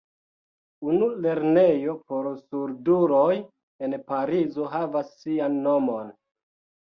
Unu lernejo por surduloj en Parizo havas sian nomon.